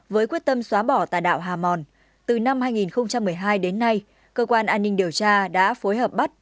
với quyết tâm xóa bỏ tà đạo hà mòn từ năm hai nghìn một mươi hai đến nay cơ quan an ninh điều tra đã phối hợp bắt